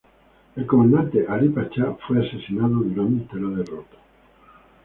El comandante, Ali Pacha, fue asesinado durante la derrota.